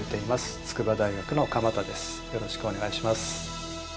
よろしくお願いします。